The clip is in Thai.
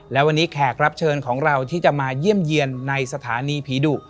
และวันนี้แขกรับเชิญของเราที่จะมาเยี่ยมเยี่ยมในสถานีผีดุ